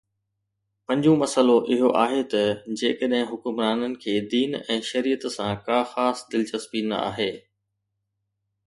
پنجون مسئلو اهو آهي ته جيڪڏهن حڪمرانن کي دين ۽ شريعت سان ڪا خاص دلچسپي نه آهي